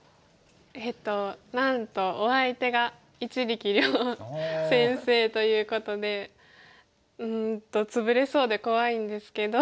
えっとなんとお相手が一力遼先生ということでツブれそうで怖いんですけど。